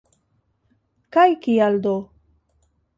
Kaj kial do?